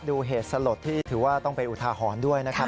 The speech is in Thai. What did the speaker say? เหตุสลดที่ถือว่าต้องเป็นอุทาหรณ์ด้วยนะครับ